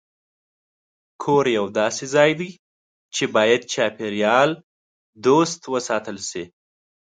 کور یو داسې ځای دی چې باید چاپېریال دوست وساتل شي.